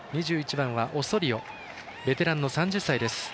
オソリオベテランの３０歳です。